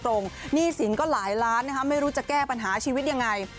หนี้สินก็หลายล้านนะคะไม่รู้จะแก้ปัญหาชีวิตยังไง